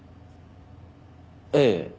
ええ。